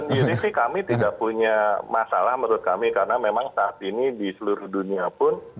sih kami tidak punya masalah menurut kami karena memang saat ini di seluruh dunia pun